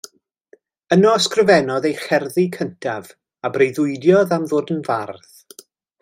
Yno ysgrifennodd ei cherddi cyntaf a breuddwydiodd am ddod yn fardd.